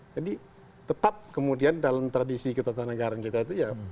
jadi tetap kemudian dalam tradisi ketua ketua negara kita itu ya